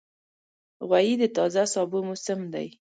غویی د تازه سابو موسم دی.